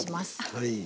はい。